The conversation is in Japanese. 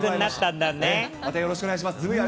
またよろしくお願いします。